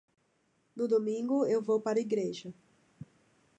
No Domingo eu vou para a Igreja.